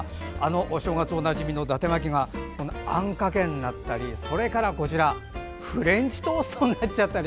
お正月おなじみの、だて巻きがあんかけになったりフレンチトーストになっちゃったり。